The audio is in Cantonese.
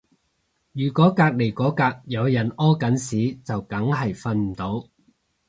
如果隔離嗰格有人屙緊屎就梗係瞓唔到